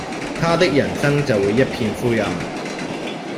他的人生就會一片灰暗